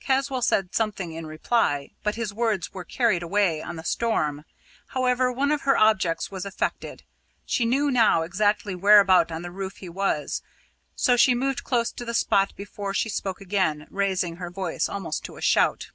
Caswall said something in reply, but his words were carried away on the storm. However, one of her objects was effected: she knew now exactly whereabout on the roof he was. So she moved close to the spot before she spoke again, raising her voice almost to a shout.